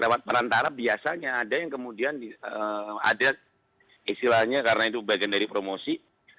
lewat perantara biasanya ada yang kemudian ada istilahnya karena itu bagian dari promosi